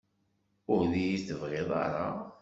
Ur d-iyi-tebɣiḍ ara?